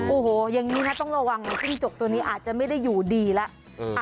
โอ้โหอย่างนี้นะต้องระวังนะจิ้งจกตัวนี้อาจจะไม่ได้อยู่ดีแล้ว